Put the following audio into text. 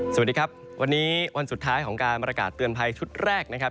สวัสดีครับวันนี้วันสุดท้ายของการประกาศเตือนภัยชุดแรกนะครับ